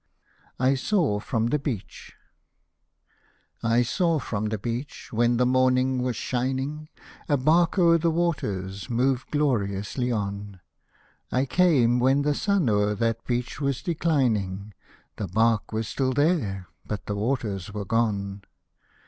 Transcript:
I SAW FROM THE BEACH I SAW from the beach, when the morning was shining, A bark o'er the waters move gloriously on ; I came when the sun o'er that beach was declining, The bark was still there, but the waters were gone.